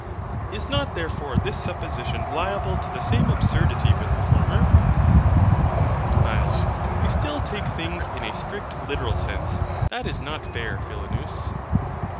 Is not therefore this supposition liable to the same absurdity with the former? HYL. You still take things in a strict literal sense. That is not fair, Philonous.